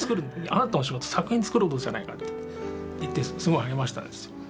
あなたの仕事作品を作ることじゃないかって言ってすごい励ましたんですよ。